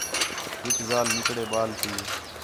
ہِک ذال نِکڑے بال تی